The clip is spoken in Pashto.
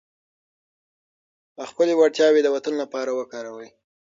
خپلې وړتیاوې د وطن لپاره وکاروئ.